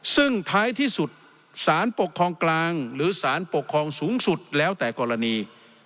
ซึ่งท้ายที่สุดสารปกครองกลางหรือสารปกครองสูงสุดแล้วแต่กรณี